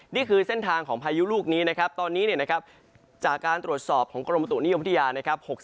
นี่คือเส้นทางของพายุลูกนี้นะครับตอนนี้เนี่ยนะครับจากการตรวจสอบของกรมประตุนิยมพัทยานะครับ